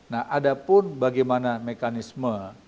nah ada pun bagaimana mekanisme